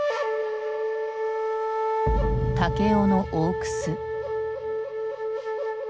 武雄の大楠。